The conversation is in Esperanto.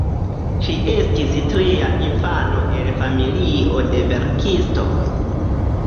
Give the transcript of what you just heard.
Ŝi estis tria infano el familio de verkistoj.